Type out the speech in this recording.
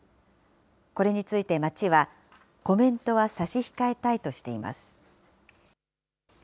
これについて町は、コメントは差し控えたいとしています。